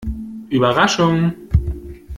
Überraschung!